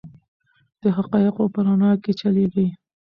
د حقایقو په رڼا کې چلیږي.